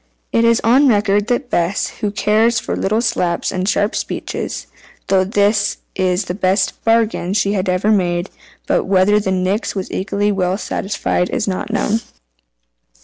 It is on record that Bess (who cared little for slaps and sharp speeches) thought this the best bargain she had ever made. But whether the Nix was equally well satisfied is not known.